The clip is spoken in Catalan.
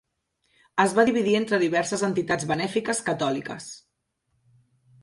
Es va dividir entre diverses entitats benèfiques catòliques.